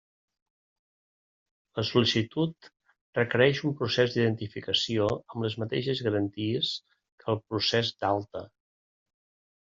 La sol·licitud requereix un procés d'identificació amb les mateixes garanties que el procés d'alta.